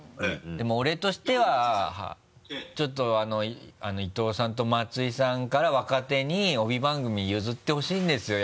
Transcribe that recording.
でも俺としてはちょっと伊東さんと松井さんから若手に帯番組譲ってほしいんですよ。